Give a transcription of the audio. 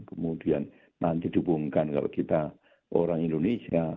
kemudian nanti dihubungkan kalau kita orang indonesia